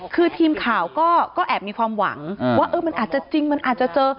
คือทีมข่าวก็แอบมีความหวังว่ามันอาจจะจริงมันอาจจะเจอ